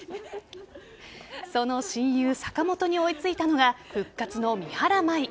その親友・坂本に追いついたのが復活の三原舞依。